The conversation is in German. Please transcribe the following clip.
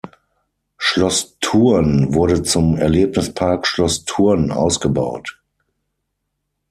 Schloss Thurn wurde zum Erlebnispark Schloss Thurn ausgebaut.